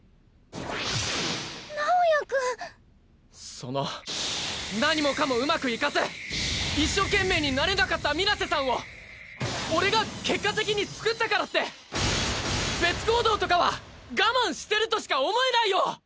その何もかもうまくいかず一生懸命になれなかった水瀬さんを俺が結果的に救ったからって別行動とかは我慢してるとしか思えないよ！